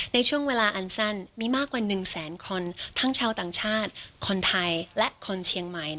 ในช่วงเวลาอันสั้นมีมากกว่า๑แสนคนทั้งชาวต่างชาติคนไทยและคนเชียงใหม่